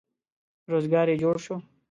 روزګار یې جوړ شو.